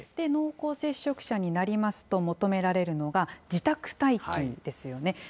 濃厚接触者になりますと求められるのが、自宅待機ですよね。